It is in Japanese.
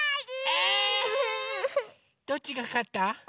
えっ⁉どっちがかった？